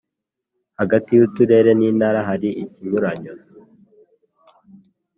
hagati y uturere n’intara hari ikinyuranyo .